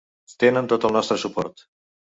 Tenen tot el nostre suport.